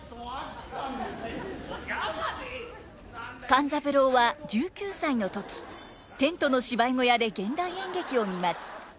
勘三郎は１９歳の時テントの芝居小屋で現代演劇を見ます。